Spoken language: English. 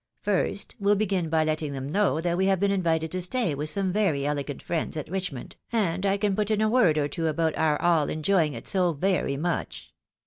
First, we'll begin by letting them know that we have been invited to stay with some very elegant friends at Richmond, and I can put in a word or two about our all enjoy ing it so very much.